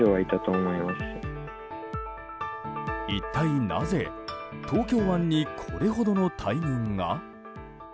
一体なぜ、東京湾にこれほどの大群が。